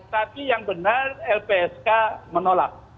tapi yang benar lpsk menolak